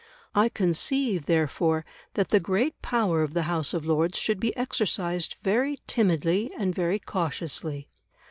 I conceive, therefore, that the great power of the House of Lords should be exercised very timidly and very cautiously.